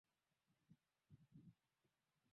Ni mji mkuu wa Jamhuri ya Watu wa Zanzibar